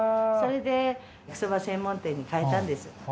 それで焼きそば専門店に変えたんです。